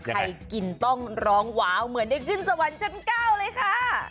กินต้องร้องว้าวเหมือนได้ขึ้นสวรรค์ชั้น๙เลยค่ะ